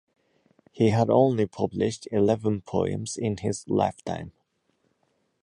He had only published eleven poems in his lifetime.